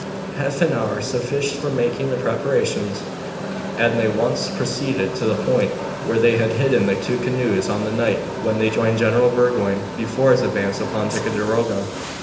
Half an hour sufficed for making the preparations, and they at once proceeded to the point where they had hidden the two canoes on the night when they joined General Burgoyne before his advance upon Ticonderoga.